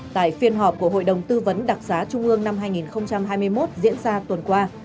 tại phiên họp của hội đồng tư vấn đặc xá trung ương năm hai nghìn hai mươi một diễn ra tuần qua